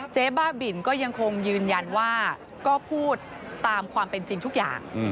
บ้าบินก็ยังคงยืนยันว่าก็พูดตามความเป็นจริงทุกอย่าง